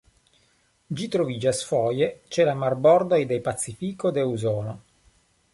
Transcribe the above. Ĝi troviĝas foje ĉe la marbordoj de Pacifiko de Usono.